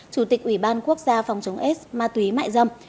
chủ tịch ủy ban quốc gia phòng chống s ma túy mại dâm